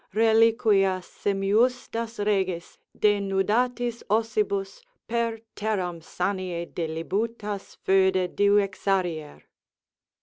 reliquias semiustas regis, denudatis ossibus, Per terram sanie delibutas foede divexarier."